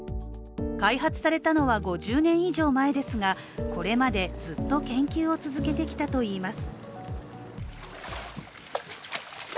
開発されたのは５０年以上前ですがこれまでずっと研究を続けてきたといいます。